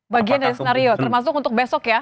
bagian dari skenario termasuk untuk besok ya